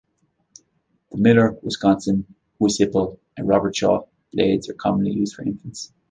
The Miller, Wisconsin, Wis-Hipple, and Robertshaw blades are commonly used for infants.